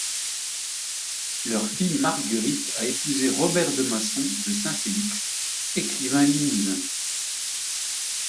Leur fille Marguerite a épousé Robert de Masson de Saint-Félix, écrivain limousin.